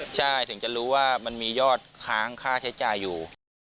ใช่ถึงจะรู้ว่ามันมียอดค้างค่าใช้จ่ายอยู่